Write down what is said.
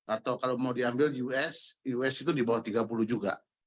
atau kalau mau diambil us us itu di bawah tiga puluh juga